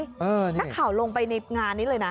นี่นี่นี่นี่นี่นี่ก็ข่าวลงไปในงานนี้เลยนะ